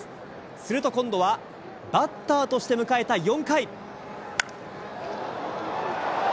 すると今度は、バッターとして迎えた４回。